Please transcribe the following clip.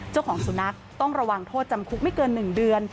เจ้าของสุนัขต้องระวังโทษจำคุกไม่เกิน๑เดือน